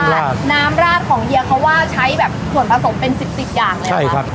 น้ำราดของเฮียเขาว่าใช้แบบส่วนผสมเป็นสิบสิบอย่างเลยเหรอคะ